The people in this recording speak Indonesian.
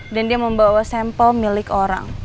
dan dia membawa sampel milik orang